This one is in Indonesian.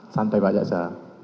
santai pak jaksa